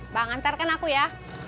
bang antarkan aku ya